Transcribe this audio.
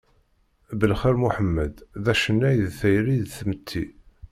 Belxir Muḥemmed d acennay n tayri d tmetti.